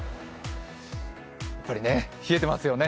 やっぱり冷えてますよね。